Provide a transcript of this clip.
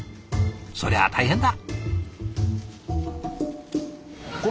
そりゃ大変だ。